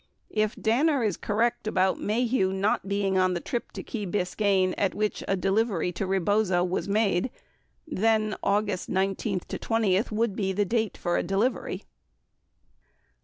If Danner is correct about Maheu not being on the trip to Key Biscayne at which a delivery to Rebozo was made, then August 19 to 20 would be the date for a delivery.